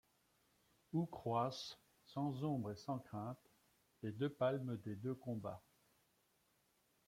Où croissent, sans ombre et sans crainte, Les deux palmes des deux combats!